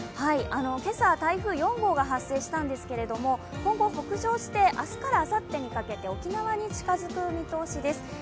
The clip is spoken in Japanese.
今朝、台風４号が発生したんですけれども、今後、北上して明日からあさってにかけて沖縄に近づく見通しです。